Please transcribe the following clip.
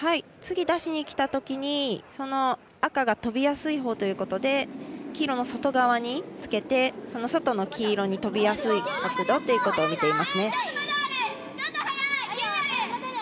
次、出しにきたときに赤が飛びやすいほうということで黄色の外側につけてその外の黄色に飛びやすい角度ということを見ていますね。